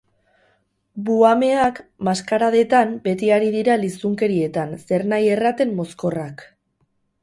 Buhameak, maskaradetan, beti ari dira lizunkerietan, zernahi erraten, mozkorrak.